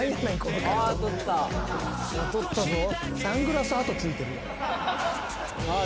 サングラス跡ついてる。